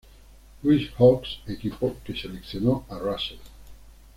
Louis Hawks, equipo que seleccionó a Russell.